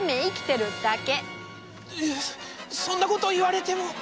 いやそんなこと言われても。